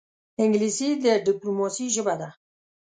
انګلیسي د ډیپلوماسې ژبه ده